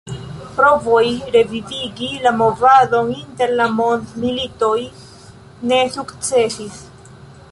Provoj revivigi la movadon inter la Mondmilitoj ne sukcesis.